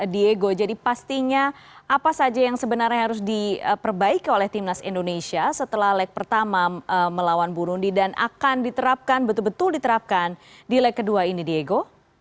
diego jadi pastinya apa saja yang sebenarnya harus diperbaiki oleh timnas indonesia setelah leg pertama melawan burundi dan akan diterapkan betul betul diterapkan di leg kedua ini diego